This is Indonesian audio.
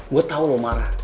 gua tau lu marah